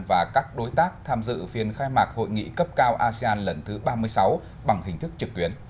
và các đối tác tham dự phiên khai mạc hội nghị cấp cao asean lần thứ ba mươi sáu bằng hình thức trực tuyến